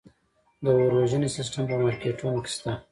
د اور وژنې سیستم په مارکیټونو کې شته؟